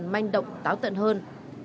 mạnh động táo tận hơn